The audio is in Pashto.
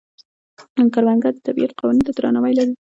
کروندګر د طبیعت قوانینو ته درناوی لري